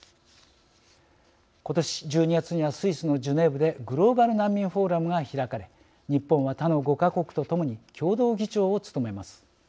今年１２月にはスイスのジュネーブでグローバル難民フォーラムが開かれ日本は他の５か国と共に共同議長を務めます。